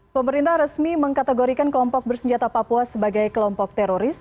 pemerintah resmi mengkategorikan kelompok bersenjata papua sebagai kelompok teroris